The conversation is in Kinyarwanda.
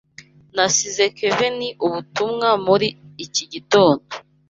Nasize Kevin ubutumwa muri iki gitondo.